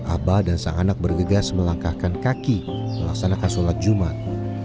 abah dan sang anak bergegas melangkahkan kaki melaksanakan sholat jumat